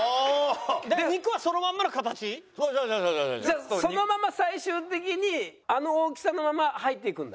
じゃあそのまま最終的にあの大きさのまま入っていくんだ？